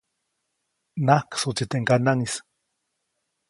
Najksuʼtsi teʼ ŋganaŋʼis.